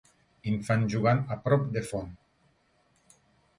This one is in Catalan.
Infant jugant a prop de font